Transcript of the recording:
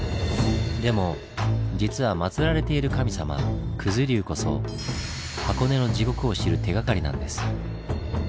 でも実は祭られている神様九頭龍こそ箱根の地獄を知る手がかりなんです。